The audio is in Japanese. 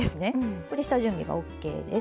これで下準備がオッケーです。